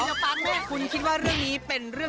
คิดว่ามันจะจ้อนเที่ยวแรกของเรา